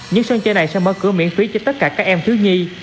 những sân chơi này sẽ mở cửa miễn phí cho tất cả các em thiếu nhi